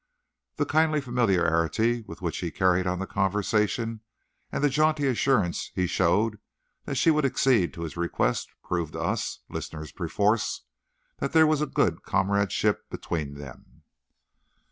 The kindly familiarity with which he carried on the conversation and the jaunty assurance he showed that she would accede to his request proved to us, listeners perforce, that there was good comradeship between them.